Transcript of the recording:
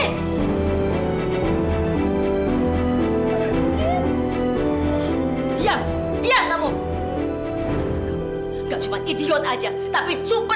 kamu gak cuma idiot aja tapi super paham